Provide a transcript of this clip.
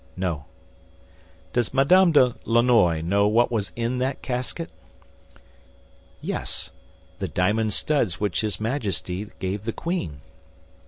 "No." "Does Madame de Lannoy know what was in that casket?" "Yes; the diamond studs which his Majesty gave the queen."